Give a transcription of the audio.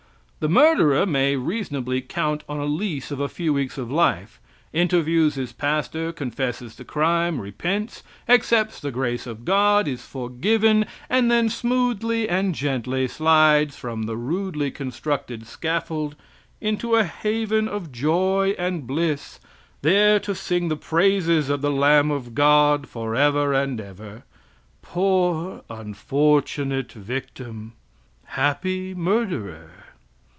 The murderer may reasonably count on a lease of a few weeks of life, interviews his pastor, confesses the crime, repents, accepts the grace of God, is forgiven, and then smoothly and gently slides from the rudely constructed scaffold into a haven of joy and bliss, there to sing the praises of the Lamb of God forever and forever! Poor, unfortunate victim! Happy murderer!